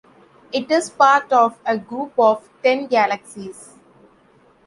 It is part of a group of ten galaxies.